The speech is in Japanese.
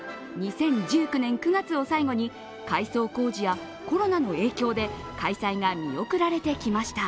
２０１９年９月を最後に改装工事やコロナの影響で開催が見送られてきました。